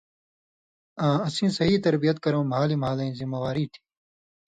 آں اسیں صیح تربیت کرٶں مھالیۡ مھالَیں ذمہ واری تھی۔